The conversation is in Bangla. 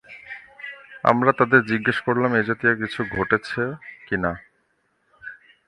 আমরা তাদের জিজ্ঞাসা করলাম এ জাতীয় কিছু ঘটেছে কিনা।